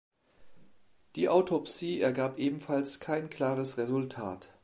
Die Autopsie ergab ebenfalls kein klares Resultat.